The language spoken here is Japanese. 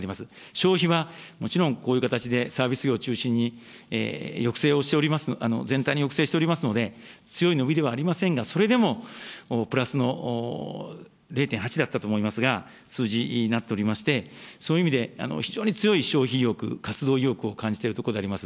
消費はもちろん、こういう形で、サービス業を中心に抑制をしております、全体に抑制しておりますので、強い伸びではありませんが、それでも、プラスの０．８だったと思いますが、数字になっておりまして、そういう意味で非常に強い消費意欲、活動意欲を感じているところであります。